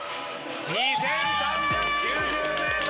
２，３９０ｍ！